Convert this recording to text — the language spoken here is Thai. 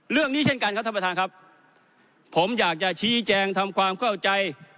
เช่นกันครับท่านประธานครับผมอยากจะชี้แจงทำความเข้าใจ